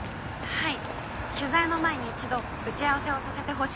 はい。